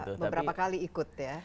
jadi sudah beberapa kali ikut ya